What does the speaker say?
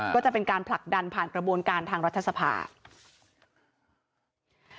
ก็จะเป็นการผลักดันผ่านกระบวนการทางรัฐสภา